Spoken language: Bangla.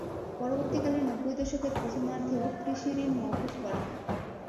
পরবর্তীকালে নববই দশকের প্রথমার্ধেও কৃষিঋণ মওকুফ করা হয়।